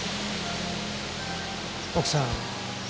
奥さん。